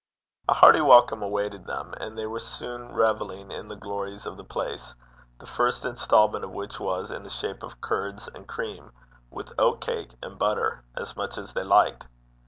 A hearty welcome awaited them, and they were soon revelling in the glories of the place, the first instalment of which was in the shape of curds and cream, with oatcake and butter, as much as they liked.